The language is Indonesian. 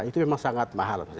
itu memang sangat mahal